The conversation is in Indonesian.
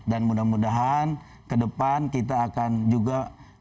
dan mudah mudahan kedepan kita akan juga